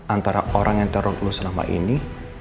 antara orang yang terhormat lo selama ini